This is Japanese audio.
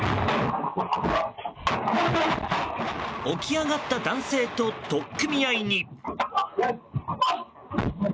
起き上がった男性と取っ組み合いに。